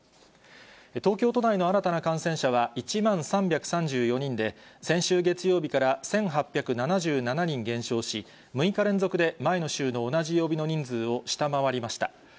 東京都内の新たな感染者は１万３３４人で、先週月曜日から１８７７人減少し、６日連続で前の週の同じ曜日の人数を下回りました。